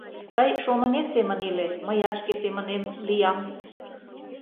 — Тый шонымет семын иле, мыят шке семынем лиям.